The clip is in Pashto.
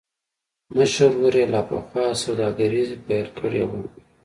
مشر ورور يې لا پخوا سوداګري پيل کړې وه.